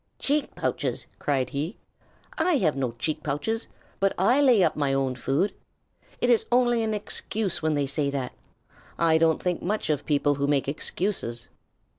"Cheek pouches!" cried he. "I have no cheek pouches, but I lay up my own food. It is only an excuse when they say that. I don't think much of people who make excuses."